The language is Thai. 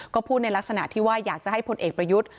ก็พูดในลักษณะที่ว่าอยากจะให้พลเอกประยุทธ์